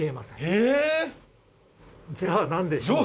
じゃあ何でしょう？